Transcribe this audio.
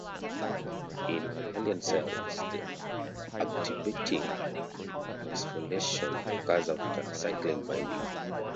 In mammalian cells, the activating phosphorylation occurs after cyclin binding.